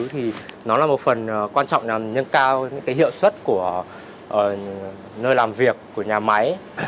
thì nó là một phần quan trọng nhằm nâng cao những cái hiệu suất của nơi làm việc của nhà máy